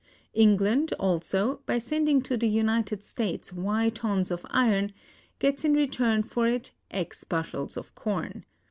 England, also, by sending to the United States y tons of iron, gets in return for it x bushels of corn.